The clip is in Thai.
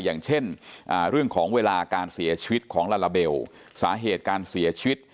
อย่างเช่นเรื่องของเวลาการเสียชีวิตของลาลาเบลสาเหตุการเสียชีวิต